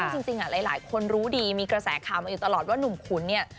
จริงหลายคนรู้ดีมีกระแสข่าวมาอยู่ตลอดว่าหนุ่มขุนเนี่ย